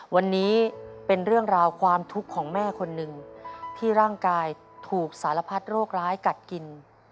วันนี้เป็นเรื่องราวความทุกข์ของแม่คนหนึ่งที่ร่างกายถูกสารพัดโรคร้ายกัดกิน